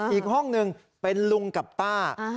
อีกห้องหนึ่งเป็นลุงกับป้า